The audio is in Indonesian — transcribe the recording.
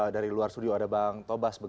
dari luar studio ada bang tobas